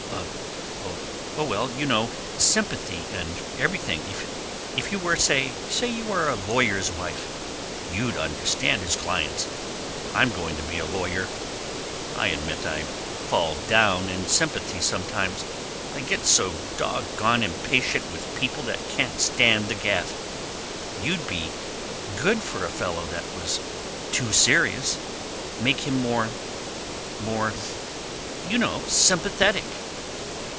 "Oh oh well you know sympathy and everything if you were say you were a lawyer's wife. You'd understand his clients. I'm going to be a lawyer. I admit I fall down in sympathy sometimes. I get so dog gone impatient with people that can't stand the gaff. You'd be good for a fellow that was too serious. Make him more more YOU know sympathetic!"